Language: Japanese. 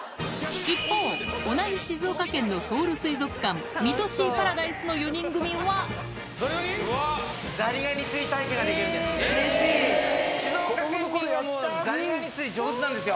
一方同じ静岡県のソウル水族館三津シーパラダイスの４人組はできるんです。